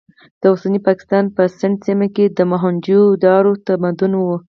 د اوسني پاکستان په سند سیمه کې د موهنجو دارو تمدن و.